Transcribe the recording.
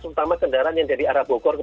terutama kendaraan yang dari arah bogor